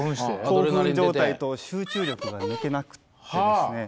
興奮状態と集中力が抜けなくってですね。